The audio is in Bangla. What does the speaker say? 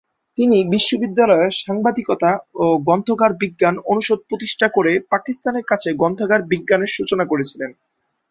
তিনি বিশ্ববিদ্যালয়ে সাংবাদিকতা ও গ্রন্থাগার বিজ্ঞান অনুষদ প্রতিষ্ঠা করে পাকিস্তানের কাছে গ্রন্থাগার বিজ্ঞানের সূচনা করেছিলেন।